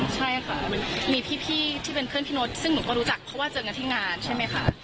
ใช่ค่ะมันมีพี่ที่เป็นเพื่อนพี่โน๊ตซึ่งหนูก็รู้จักเพราะว่าเจอกันที่งานใช่ไหมคะ